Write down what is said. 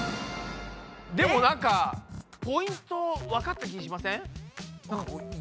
でもなんかポイントわかった気しません？